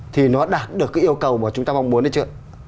thì nó đạt được cái yêu cầu mà chúng ta mong muốn đấy chứ